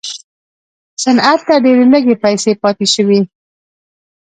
صنعت ته ډېرې لږې پیسې پاتې شوې.